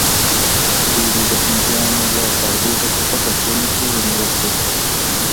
دوی دې د هندیانو له ښارګوټو څخه په سیمه کې ونیول شي.